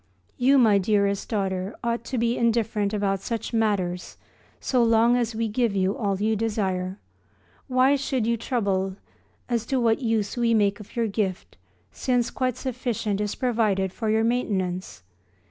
You, my dearest daughter, ought to be indifferent about such matters so long as we give you all you desire. Why should you trouble as to what use we make of your gift since quite sufficient is provided for your maintenance?